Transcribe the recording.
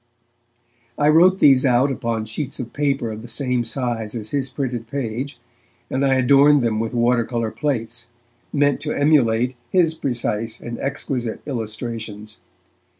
I wrote these out upon sheets of paper of the same size as his printed page, and I adorned them with water colour plates, meant to emulate his precise and exquisite illustrations.